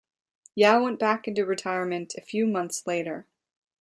Yeo went back into retirement a few months later.